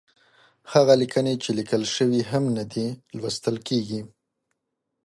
هغه ليکنې چې ليکل شوې هم نه دي، لوستل کېږي.